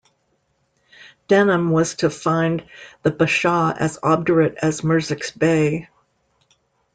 Denham was to find the bashaw as obdurate as Murzuk's bey.